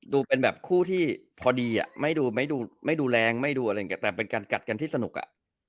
ดูเป็นแบบคู่ที่พอดีไม่ดูแรงไม่ดูอะไรอย่างเงี้ยแต่เป็นการกัดกันที่สนุกอะ